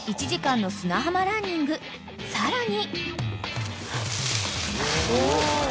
［さらに］